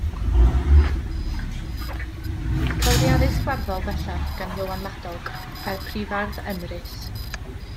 Cafodd hi addysg farddol bellach gan Ioan Madog a'r Prifardd Emrys.